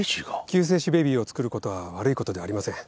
救世主ベビーをつくることは悪いことではありません。